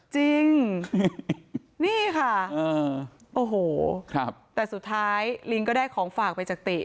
จริงนี่ค่ะโอ้โหแต่สุดท้ายลิงก็ได้ของฝากไปจากติ